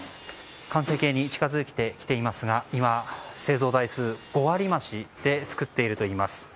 完成形に近づいてきていますが今、製造台数５割増しで作っているといいます。